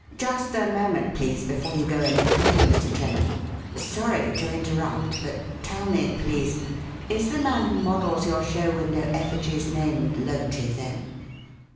"Just a moment, please, before you go any further, Mr. Trent. Sorry to interrupt, but, tell me, please: is the man who models your show window effigies named Loti, then?